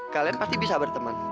kalian pasti bisa berteman